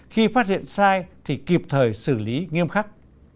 khi phát hiện sai thì kịp thời xử lý nghiêm khắc